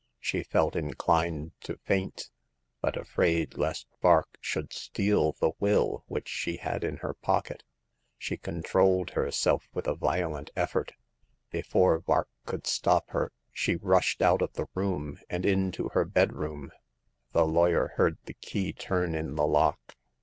She felt inclined to faint, but, afraid lest Vark should steal the will which she had in her pocket, she controlled her self with a violent effort. Before Vark could stop her, she rushed out of the room, and into her bedroom. The lawyer heard the key turn in the lock.